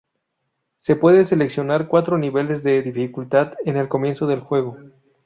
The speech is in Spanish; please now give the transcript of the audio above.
Se pueden seleccionar cuatro niveles de dificultad en el comienzo del juego.